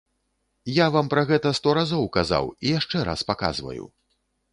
Я вам пра гэта сто разоў казаў, і яшчэ раз паказваю.